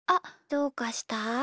どうかした？